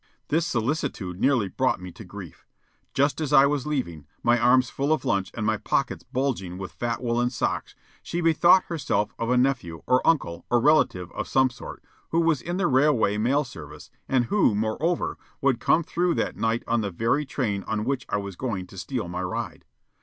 This solicitude nearly brought me to grief. Just as I was leaving, my arms full of lunch and my pockets bulging with fat woollen socks, she bethought herself of a nephew, or uncle, or relative of some sort, who was in the railway mail service, and who, moreover, would come through that night on the very train on which I was going to steal my ride.